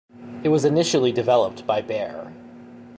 It was initially developed by Bayer.